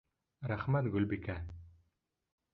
Рәхмәт, Гөлбикә!